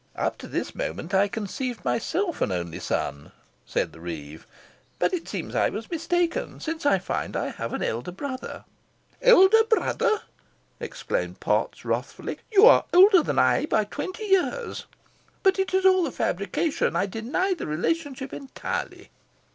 "Up to this moment I conceived myself an only son," said the reeve; "but it seems I was mistaken, since I find I have an elder brother." "Elder brother!" exclaimed Potts, wrathfully. "You are older than I am by twenty years. But it is all a fabrication. I deny the relationship entirely."